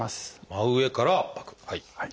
真上から圧迫はい。